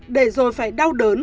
để rồi phải đau đớn